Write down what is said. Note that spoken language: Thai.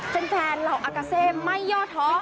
แต่แฟนเหล่าอากาเซไม่ยอดท้อค่ะ